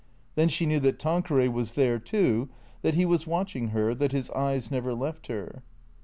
Then she knew that Tanqueray was there, too, that he was watching her, that his eyes never left her.